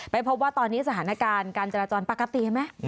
พบว่าตอนนี้สถานการณ์การจราจรปกติเห็นไหม